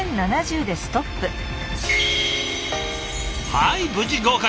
はい無事合格。